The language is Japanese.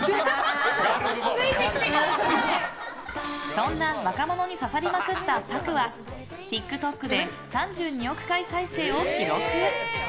そんな若者に刺さりまくった「ＰＡＫＵ」はＴｉｋＴｏｋで３２億回再生を記録！